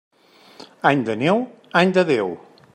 Any de neu, any de Déu.